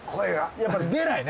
やっぱり出ないね